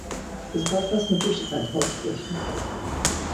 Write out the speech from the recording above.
He was the first person of Jewish descent to hold this position.